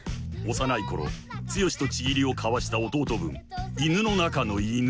［幼い頃剛と契りを交わした弟分犬の中の犬］